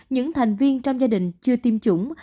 những thành viên trong gia đình chưa tiêm chủng